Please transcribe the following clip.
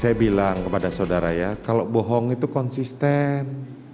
saya bilang kepada saudara ya kalau bohong itu konsisten